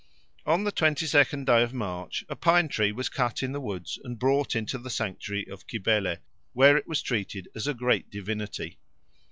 On the twenty second day of March, a pine tree was cut in the woods and brought into the sanctuary of Cybele, where it was treated as a great divinity.